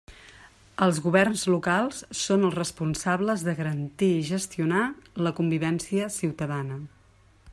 Els governs locals són els responsables de garantir i gestionar la convivència ciutadana.